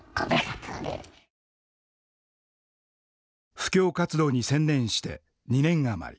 布教活動に専念して２年余り。